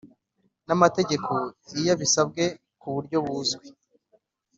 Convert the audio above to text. n amategeko iyo abisabwe ku buryo buzwi